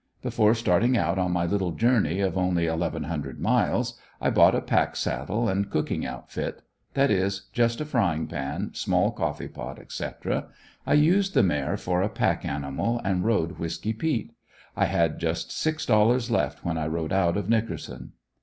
Before starting out on my little journey of only eleven hundred miles, I bought a pack saddle and cooking outfit that is, just a frying pan, small coffee pot, etc. I used the mare for a pack animal and rode Whisky peet. I had just six dollars left when I rode out of Nickerson.